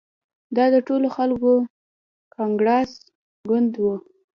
دا د ټولو خلکو کانګرس ګوند وو.